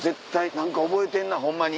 何か覚えてんなホンマに。